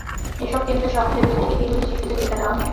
এসব কেন্দ্রে সপ্তাহে দুই থেকে তিন দিন শিশুদের টিকা দেওয়া হয়।